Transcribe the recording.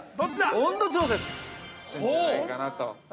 温度調節してんじゃないかなと。